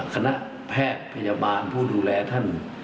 คณะแพทย์พยาบาลผู้ดูแลท่าน